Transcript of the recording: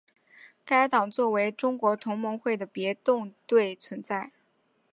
该党作为中国同盟会的别动队存在。